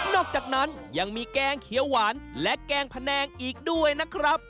อกจากนั้นยังมีแกงเขียวหวานและแกงพะแนงอีกด้วยนะครับ